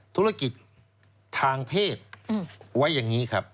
ธุรกิจทางเพศไว้อย่างนี้ครับ